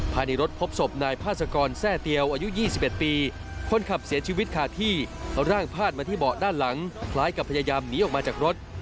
ภายในรถพบศพนายพาสกรแทร่เตียวอายุ๒๑ปีคนขับเสียชีวิตขาดที่ร่างพาดมาที่เบาะด้านหลังคล้ายกับพยายามหนีออกมาจากรถ